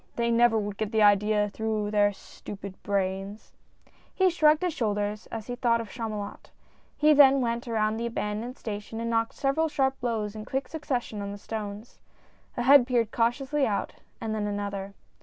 They never would get the idea through their stupid brains !" He shrugged his shoulders as he thought of Chamu lot. He then went around the abandoned station and knocked several sharp blows in quick succession on the stones. A head peered cautiously out, and then another.